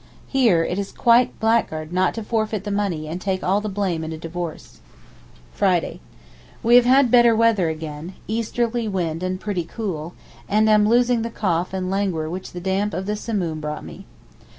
Here it is quite blackguard not to forfeit the money and take all the blame in a divorce. Friday.—We have had better weather again, easterly wind and pretty cool, and I am losing the cough and languor which the damp of the Simoom brought me.